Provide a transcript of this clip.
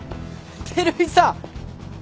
照井さん。